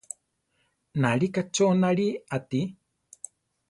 Nalíka cho náli ati.